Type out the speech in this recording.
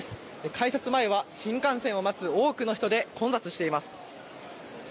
改札前は新幹線を待つ多くの人で混雑しています。